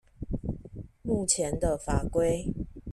目前的法規